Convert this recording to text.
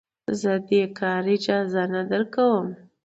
زه دې کار اجازه نه درکوم.